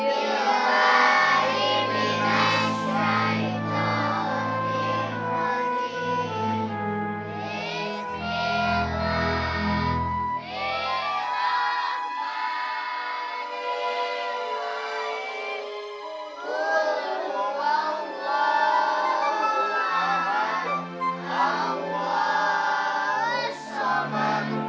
selamat tuhan selamat nyambut mahu berdua selamat